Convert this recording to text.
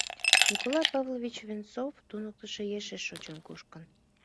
Николай Павлович Венцов туныктышо ешеш шочын-кушкын.